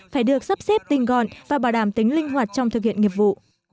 phải được sắp xếp tinh gọn và bảo đảm tính linh hoạt trong thực hiện nghiệp vụ